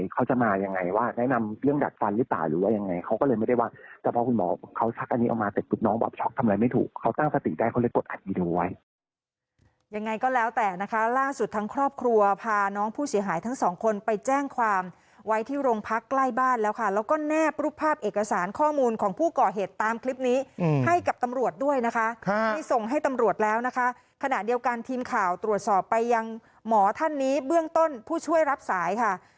เขาจะมายังไงว่าแนะนำเรื่องดัดฟันหรือเปล่าหรือว่ายังไงเขาก็เลยไม่ได้ว่าแต่พอคุณหมอเขาชักอันนี้เอามาเต็มตุ๊กน้องแบบช็อกทำอะไรไม่ถูกเขาตั้งสติได้เขาเลยกดอัดอีโดไว้ยังไงก็แล้วแต่นะคะล่าสุดทั้งครอบครัวพาน้องผู้เสียหายทั้งสองคนไปแจ้งความไว้ที่โรงพักใกล้บ้านแล้วค่ะแล้วก็แนบรูปภ